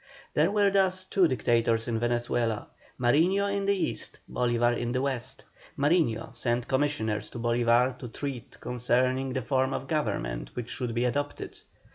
There were thus two Dictators in Venezuela, Mariño in the East, Bolívar in the West. Mariño sent commissioners to Bolívar to treat concerning the form of government which should be adopted.